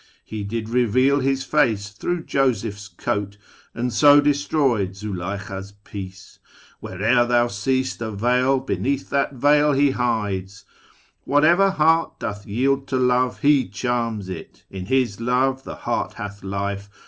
He did reveal His face through Joseph's coat, and so destroyed Zuleykha's peace. Where'er thou seest a veil, Beneath that veil He hides. Whatever heart Doth yield to love. He charms it. In His love The heart hath life.